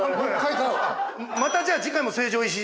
◆また、じゃあ次回も成城石井。